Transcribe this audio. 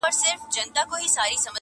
خواږه یاران وه پیالې د مُلو -